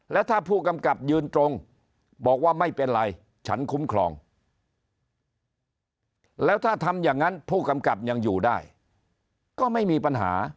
แล้วถ้าผู้กำกับยืนตรงบอกว่าไม่เป็นไรฉันคุ้มครองแล้วถ้าทำอย่างนั้นผู้กำกับยังอยู่ได้ก็ไม่มีปัญหา